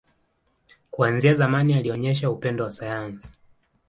Kuanzia zamani, alionyesha upendo wa sayansi.